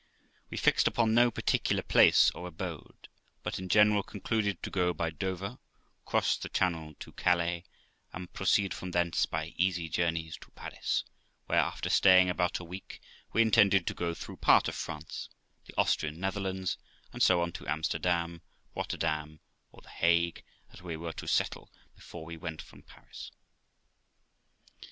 We fixed upon no particular place or abode, but in general concluded to go to Dover, cross the Channel to Calais, and proceed from thence by easy journeys to Paris, where, after staying about a week, we intended to go through part of France, the Austrian Netherlands, and so on to Amsterdam, Rotterdam, or the Hague, as we were to settle before we went from Paris.